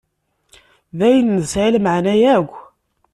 D ayen nesεi lmeεna yakk.